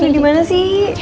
ini dimana sih